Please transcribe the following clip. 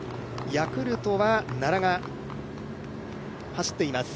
ヤクルトは奈良が走っています。